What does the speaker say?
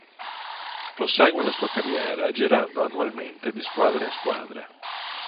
Prosegue la sua carriera girando annualmente di squadra in squadra.